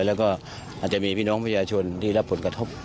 แล้วก็อาจจะมีพี่น้องประชาชนที่รับผลกระทบ